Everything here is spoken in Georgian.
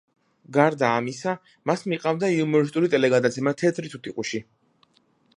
გარდა ამისა, მას მიჰყავდა იუმორისტული ტელეგადაცემა „თეთრი თუთიყუში“.